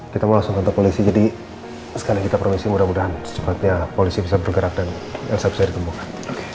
kita mau langsung kontak polisi jadi sekali kita promisi mudah mudahan secepatnya polisi bisa bergerak dan elsa bisa ditemukan